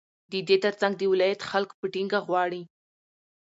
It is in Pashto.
ددې ترڅنگ د ولايت خلك په ټينگه غواړي،